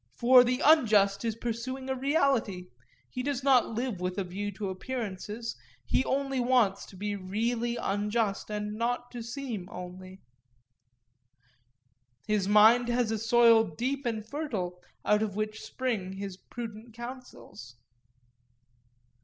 For the unjust is pursuing a reality; he does not live with a view to appearances—he wants to be really unjust and not to seem only:— 'His mind has a soil deep and fertile, Out of which spring his prudent counsels.